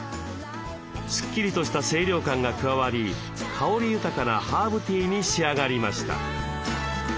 すっきりとした清涼感が加わり香り豊かなハーブティーに仕上がりました。